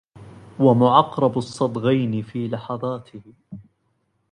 ومعقرب الصدغين في لحظاته